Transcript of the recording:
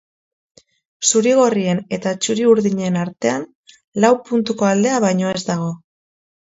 Zuri-gorrien eta txuri-urdinen artean lau puntuko aldea baino ez dago.